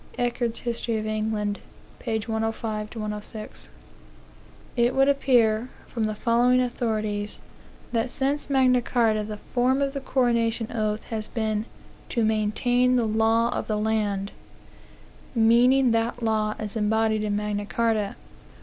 Echard's History of England, p. 105 6. It would appear, from the following authorities, that since Magna Carta the form of the coronation oath has been "to maintain the law of the land," meaning that law as embodied in Magna Carta.